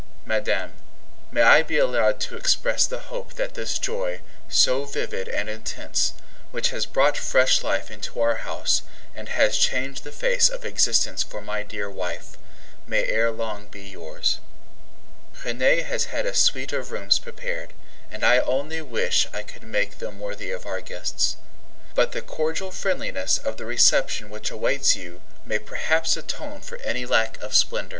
Madame, may I be allowed to express the hope that this joy, so vivid and intense, which has brought fresh life into our house, and has changed the face of existence for my dear wife, may ere long be yours? Renee has had a suite of rooms prepared, and I only wish I could make them worthy of our guests. But the cordial friendliness of the reception which awaits you may perhaps atone for any lack of splendor.